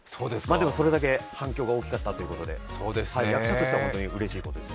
それだけ反響が大きかったということで役者としては本当にうれしいことです。